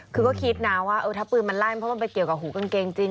คือก็คิดนะว่าถ้าปืนมันลั่นเพราะมันไปเกี่ยวกับหูกางเกงจริง